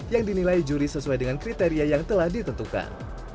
yang dinilai juri sesuai dengan kriteria yang telah ditentukan